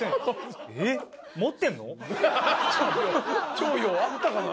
重陽あったかな？